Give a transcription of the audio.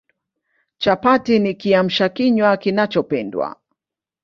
Chapati ni Kiamsha kinywa kinachopendwa